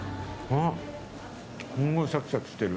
すごくシャキシャキしている。